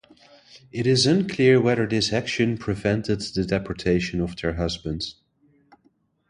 It is unclear whether this action prevented the deportation of their husbands.